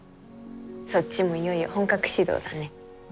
そっちもいよいよ本格始動だね。